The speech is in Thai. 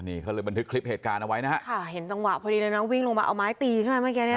นี่เขาเลยบันทึกคลิปเหตุการณ์เอาไว้นะฮะค่ะเห็นจังหวะพอดีเลยนะวิ่งลงมาเอาไม้ตีใช่ไหมเมื่อกี้เนี้ย